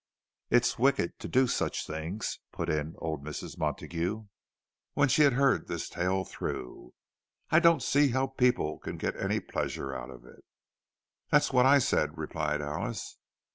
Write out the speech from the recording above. "It is wicked to do such things," put in old Mrs. Montague, when she had heard this tale through. "I don't see how people can get any pleasure out of it." "That's what I said," replied Alice.